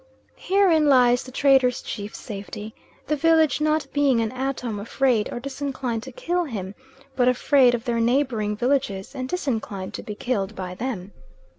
Herein lies the trader's chief safety, the village not being an atom afraid, or disinclined to kill him, but afraid of their neighbouring villages, and disinclined to be killed by them.